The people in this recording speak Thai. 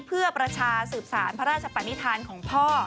เพื่อประชาสืบสารพระราชปนิษฐานของพ่อ